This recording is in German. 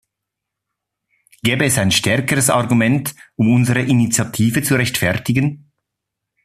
Gäbe es ein stärkeres Argument, um unsere Initiative zu rechtfertigen?